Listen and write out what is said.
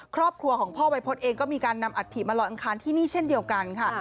ครอบครัวของพ่อวัยพฤษเองก็มีการนำอัฐิมาลอยอังคารที่นี่เช่นเดียวกันค่ะ